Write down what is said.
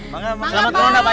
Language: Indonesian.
selamat ulang tahun pak